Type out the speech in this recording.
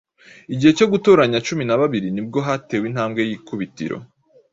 Igihe cyo gutoranya cumi na babiri nibwo hatewe intambwe y’ikubitiro